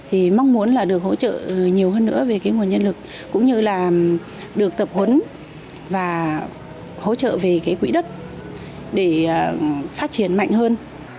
thì mong muốn là được hỗ trợ nhiều hơn nữa về cái nguồn nhân lực cũng như là được tập huấn và hỗ trợ về cái quỹ đất để phát triển mạnh hơn